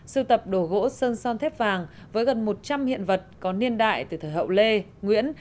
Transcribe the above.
sưu tập đồ gỗ sơn son thép vàng với gần một trăm linh hiện vật có niên đại từ thời hậu lê nguyễn